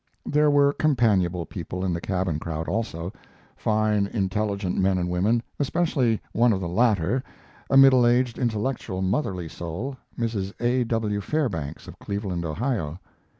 There were companionable people in the cabin crowd also fine, intelligent men and women, especially one of the latter, a middle aged, intellectual, motherly soul Mrs. A. W. Fairbanks, of Cleveland, Ohio.